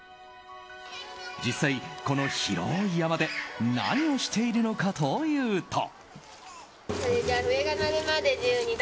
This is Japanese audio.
実際、この広い山で何をしているのかというと。